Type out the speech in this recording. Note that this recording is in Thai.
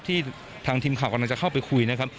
ที่ทางทีมข่าวกำลังจะเข้าไปคุยนะครับ